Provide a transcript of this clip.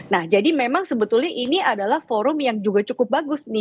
nah jadi memang sebetulnya ini adalah forum yang juga cukup bagus nih